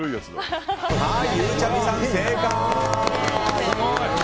ゆうちゃみさん、正解！